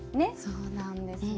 そうなんですね。